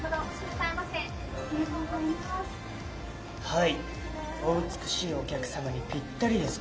はいお美しいお客様にぴったりです